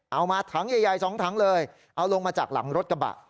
เอามาถังใหญ่๒ถังเลยเอาลงมาจากหลังรถกระบะ